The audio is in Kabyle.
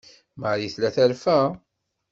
Marie tella terfa.